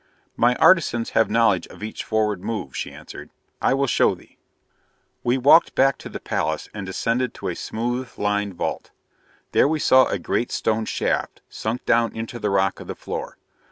"My artisans have knowledge of each forward move," she answered. "I will show thee." We walked back to the palace and descended to a smooth lined vault. There we saw a great stone shaft sunk down into the rock of the floor.